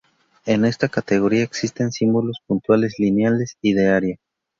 En esta categoría existen símbolos puntuales, lineales y de área.